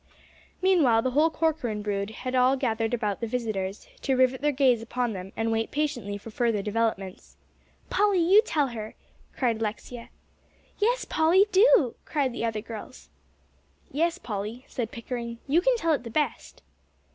Meanwhile the whole Corcoran brood had all gathered about the visitors, to rivet their gaze upon them, and wait patiently for further developments. "Polly, you tell her," cried Alexia. "Yes, Polly, do," cried the other girls. "Yes, Polly," said Pickering, "you can tell it the best."